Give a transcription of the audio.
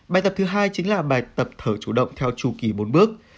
bài tập thứ hai chính là bài tập thở chủ động theo chu kỳ bốn bước